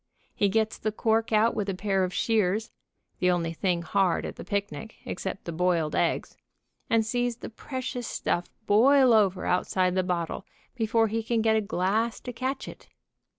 He gets the cork out with a pair of shears, the only thing hard at the picnic, ex cept the boiled eggs, and sees the precious stuff boil over outside the bottle before he can get a glass to catch it.